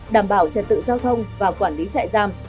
đảm bảo trật tự giao thông và quản lý trại giam